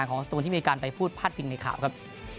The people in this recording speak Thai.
ก็มีการไปพูดพลาดเพียงในข่าวครับ